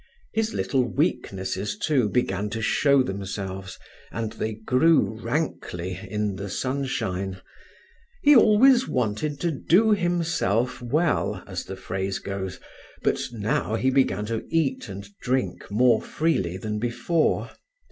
His little weaknesses, too, began to show themselves and they grew rankly in the sunshine. He always wanted to do himself well, as the phrase goes, but now he began to eat and drink more freely than before.